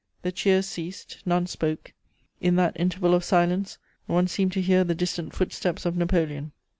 The cheers ceased; none spoke: in that interval of silence, one seemed to hear the distant footsteps of Napoleon.